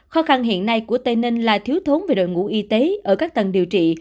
khó khăn hiện nay của tây ninh là thiếu thốn về đội ngũ y tế ở các tầng điều trị